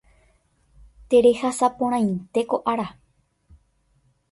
Terehasaporãite ko ára